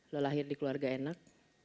lo lahir di keluarga enak